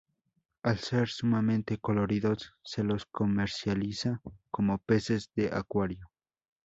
Al ser sumamente coloridos, se los comercializa como peces de acuario.